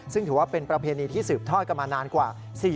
ซึ่งถือว่าเป็นประเพณีที่สืบทอดกันมานานกว่า